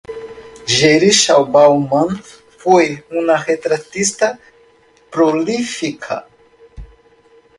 Jerichau-Baumann fue una retratista prolífica.